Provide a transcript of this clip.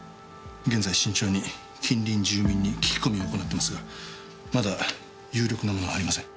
現在慎重に近隣住民に聞き込みを行ってますがまだ有力なものはありません。